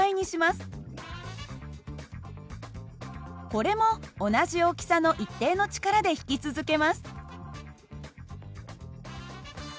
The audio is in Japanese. これも同じ大きさの一定の力で引き続けます。